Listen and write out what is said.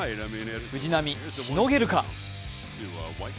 藤浪、しのげるか。